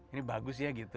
ini bagus ya gitu